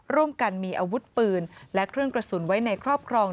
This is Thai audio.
ร่วมกันมีอาวุธปืนและเครื่องกระสุนไว้ในครอบครอง